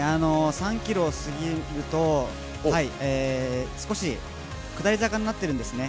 ３ｋｍを過ぎると少し下り坂になっているんですね。